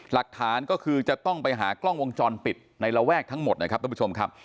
หลักฐานก็คือจะต้องไปหากล้องวงจรปิดในระแวกทั้งหมดนะครับท่านผู้ชมครับ